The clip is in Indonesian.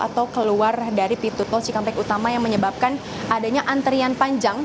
atau keluar dari pintu tol cikampek utama yang menyebabkan adanya antrian panjang